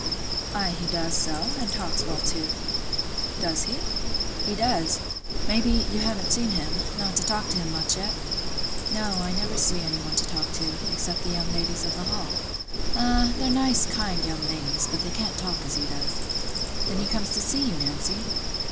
"Ay, he does so; and talks well too." "Does he?" "He does. Maybe, you haven't seen him—not to talk to him much, yet?" "No, I never see any one to talk to—except the young ladies of the Hall." "Ah; they're nice, kind young ladies; but they can't talk as he does." "Then he comes to see you, Nancy?"